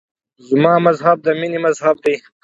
زما مذهب د مینې مذهب دی.